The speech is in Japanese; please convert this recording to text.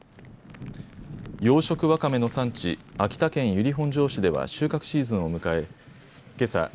養殖わかめの産地、秋田県由利本荘市では収穫シーズンを迎えけさ